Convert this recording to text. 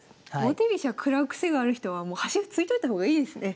王手飛車食らう癖がある人はもう端歩突いといた方がいいですね。